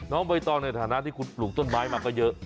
น้อใบตอนเนี่ยฐานะที่คุณหลุงต้นไม้มาก็เยอะ